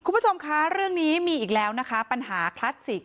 คุณผู้ชมคะเรื่องนี้มีอีกแล้วนะคะปัญหาคลาสสิก